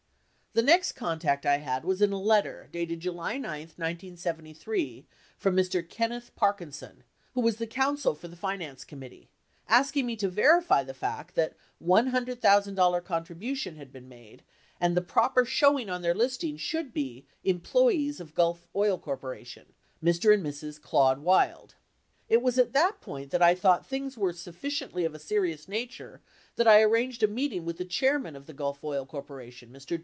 The next contact I had was in a letter dated July 9, 1973, from Mr. Kenneth Parkinson, who was the counsel for the finance committee, asking me to verify the fact that $100,000 contribution had been made and the proper showing on their listing should be employees of Gulf Oil Co., Mr. and Mrs. Claude Wild. It was at that point that I thought things were sufficiently of a serious nature that I arranged a meeting with the chairman of the Gulf Oil Co., Mr.